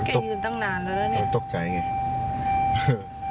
ยืนตั้งนานแล้วนะเนี่ยตกใจไง